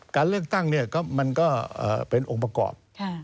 การเลือกตั้งมันก็เป็นองค์ประกอบ